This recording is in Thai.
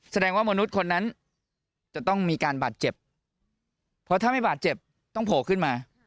แสดงว่ามนุษย์คนนั้นจะต้องมีการบาดเจ็บเพราะถ้าไม่บาดเจ็บต้องโผล่ขึ้นมา